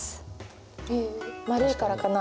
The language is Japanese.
へえ丸いからかな。